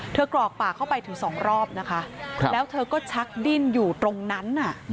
กรอกปากเข้าไปถึงสองรอบนะคะแล้วเธอก็ชักดิ้นอยู่ตรงนั้น